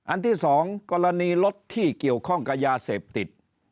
ที่๒กรณีรถที่เกี่ยวข้องกับยาเสพติด